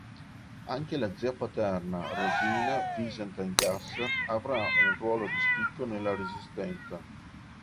Anche la zia paterna Rosina Visintin Gasser avrà un ruolo di spicco nella Resistenza.